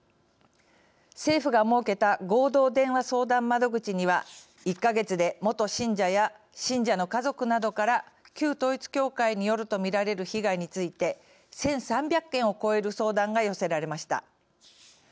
政府が設けた合同電話相談窓口には１か月で元信者や信者の家族などから旧統一教会によると見られる被害について１３００件を超える相談が寄せられました。